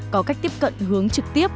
có cách tiếp cận hướng trực tiếp